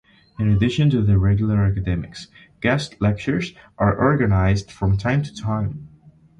In addition to the regular academics, guest lectures are organised from time to time.